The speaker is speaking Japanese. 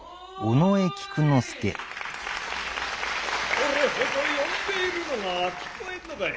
これ程呼んでいるのが聞えんのかい。